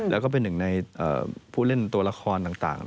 ส่วนหนึ่งในผู้เล่นตัวละครดัง